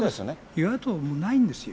与野党じゃないんですよ。